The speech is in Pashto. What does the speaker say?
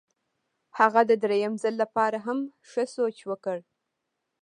هغه د درېیم ځل لپاره هم ښه سوچ وکړ.